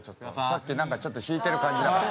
さっきなんかちょっと引いてる感じだった。